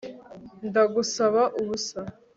Ndagusaba ubusa